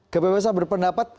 kppb sah berpendapat